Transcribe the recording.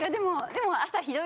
でも。